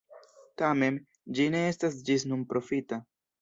Tamen, ĝi ne estas ĝis nun profita.